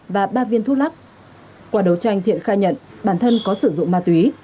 và ba viên thuốc lắc qua đấu tranh thiện khai nhận bản thân có sử dụng ma túy